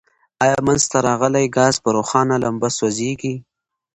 آیا منځ ته راغلی ګاز په روښانه لمبه سوځیږي؟